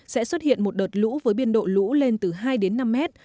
sẽ xuất hiện một đợt lũ với biên độ lũ lên từ hai đến năm mét